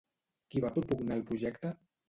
Qui va propugnar el projecte?